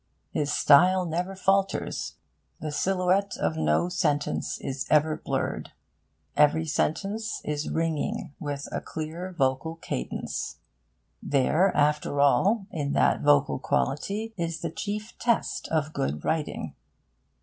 His style never falters. The silhouette of no sentence is ever blurred. Every sentence is ringing with a clear vocal cadence. There, after all, in that vocal quality, is the chief test of good writing.